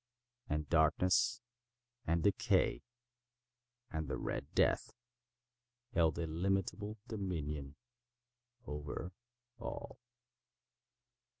And Darkness and Decay and the Red Death held illimitable dominion over all.